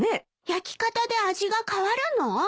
焼き方で味が変わるの？